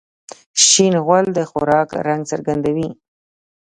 شین غول د خوراک رنګ څرګندوي.